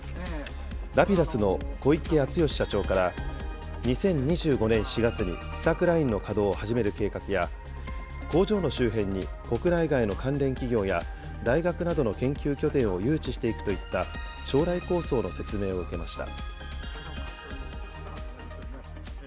Ｒａｐｉｄｕｓの小池淳義社長から２０２５年４月に試作ラインの稼働を始める計画や、工場の周辺に国内外の関連企業や大学などの研究拠点を誘致していくといった、将来構想の説明を受けました。